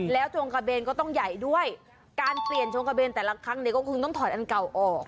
แล้วจงกระเบนก็ต้องใหญ่ด้วยการเปลี่ยนชงกระเบนแต่ละครั้งเนี่ยก็คงต้องถอดอันเก่าออก